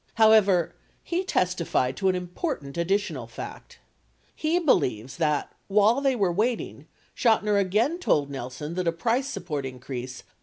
However, he testified to an important additional fact: he believes that, while they were waiting, Chotiner again told Nelson that a price support increase